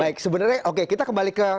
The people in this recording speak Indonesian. baik sebenarnya oke kita kembali ke